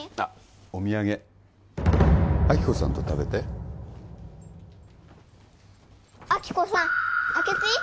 お土産亜希子さんと食べて亜希子さん開けていい？